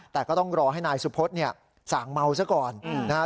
แต่ก็ต้องรอให้นายสุพสตร์เนี้ยสางเมาซะก่อนอืมนะฮะ